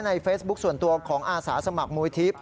เฟซบุ๊คส่วนตัวของอาสาสมัครมูลทิพย